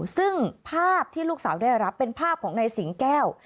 ซึ่งภาพที่ลูกสาวได้รับเป็นภาพของนายสิงแก้ว